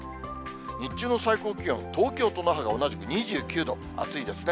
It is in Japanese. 日中の最高気温、東京と那覇が同じく２９度、暑いですね。